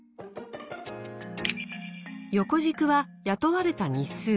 横軸は雇われた日数。